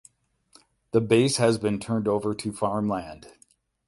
The base has been turned over to farmland.